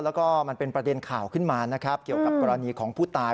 แล้วก็มันเป็นประเด็นข่าวขึ้นมานะครับเกี่ยวกับกรณีของผู้ตาย